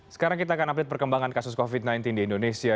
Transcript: sekarang kita akan update perkembangan kasus covid sembilan belas di indonesia